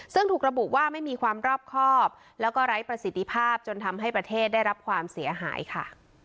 ซึ่งถูกระบุว่าไม่มีความรอบครอบแล้วก็ไร้ประสิทธิภาพจนทำให้ประเทศได้รับความเสียหายค่ะ